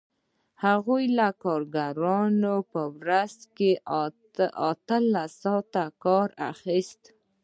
هغوی له کارګرانو په ورځ کې اتلس ساعته کار اخیست